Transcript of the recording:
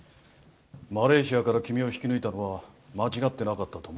マレーシアから君を引き抜いたのは間違ってなかったと思ってるよ。